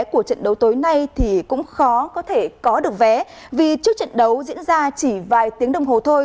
của trận đấu tối nay thì cũng khó có thể có được vé vì trước trận đấu diễn ra chỉ vài tiếng đồng hồ thôi